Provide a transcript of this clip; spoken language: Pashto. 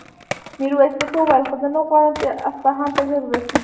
ميرويس نيکه وويل: خو زه نه غواړم چې اصفهان ته ژر ورسېږي.